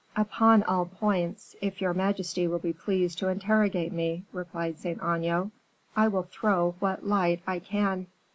"Upon all points, if your majesty will be pleased to interrogate me," replied Saint Aignan, "I will throw what light I can."